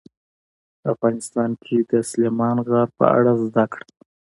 افغانستان کې د سلیمان غر په اړه زده کړه.